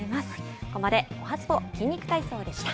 ここまでおはＳＰＯ筋肉体操でした。